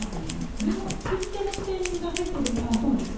これも作り手の視点が入っているんだと思います。